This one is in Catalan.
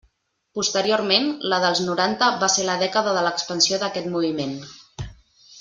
Posteriorment, la dels noranta va ser la dècada de l'expansió d'aquest moviment.